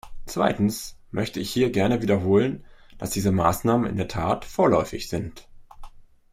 Zweitens möchte ich hier gerne wiederholen, dass diese Maßnahmen in der Tat vorläufig sind.